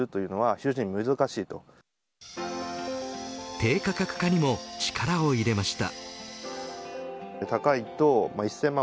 低価格化にも力を入れました。